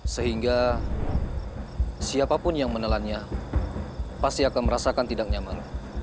sehingga siapapun yang menelannya pasti akan merasakan tidak nyaman